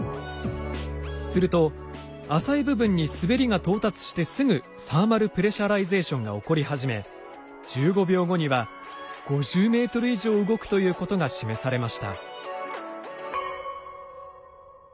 すると浅い部分にすべりが到達してすぐサーマル・プレシャライゼーションが起こり始め１５秒後には５０ｍ以上動くということが示されました。